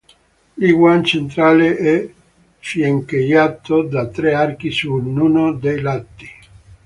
L'iwan centrale è fiancheggiato da tre archi su ognuno dei lati.